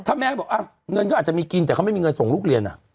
ถ้าแม่ก็บอกเงินก็อาจจะมีกินแต่เขาไม่มีเงินส่งลูกเรียน